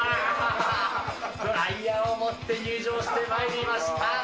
ドライヤーを持って入場してまいりました。